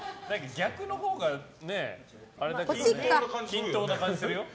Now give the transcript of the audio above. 逆のほうが均等な感じするよ。